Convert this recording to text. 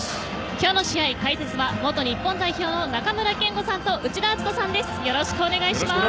今日の試合、解説は元日本代表の中村憲剛さんと内田篤人さんです。